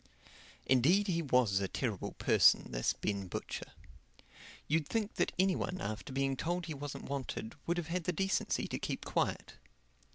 Indeed he was a terrible person, this Ben Butcher. You'd think that any one after being told he wasn't wanted would have had the decency to keep quiet.